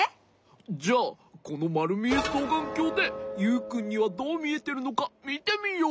じゃこのまるみえそうがんきょうでユウくんにはどうみえてるのかみてみよう。